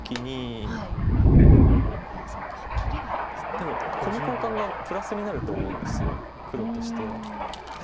でもこの交換がプラスになると思うんです黒としては。